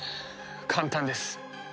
簡単です。